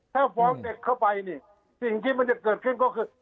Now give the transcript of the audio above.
ถ้าฟ้องเด็กเข้าไปนี่สิ่งที่มันจะเกิดขึ้นก็คือ